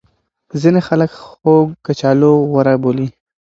ځینې خلک خوږ کچالو غوره بولي.